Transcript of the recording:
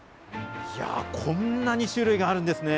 いやー、こんなに種類があるんですね。